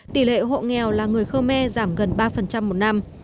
tỷ lệ hộ nghèo là người khmer giảm gần ba một năm